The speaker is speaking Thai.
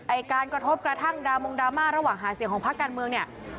การกระทบกระทั่งดามงดราม่าระหว่างหาเสียงของพักการเมืองเนี่ย